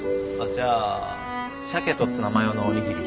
じゃあしゃけとツナマヨのおにぎり。